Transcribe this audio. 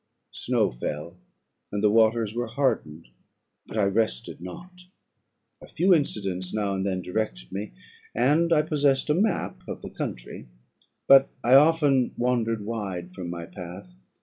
Snow fell, and the waters were hardened; but I rested not. A few incidents now and then directed me, and I possessed a map of the country; but I often wandered wide from my path.